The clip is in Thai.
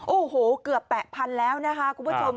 โอ้โหเกือบแปะพันธุ์แล้วคุณผู้ชม